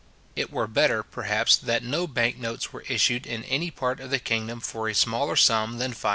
It were better, perhaps, that no bank notes were issued in any part of the kingdom for a smaller sum than £5.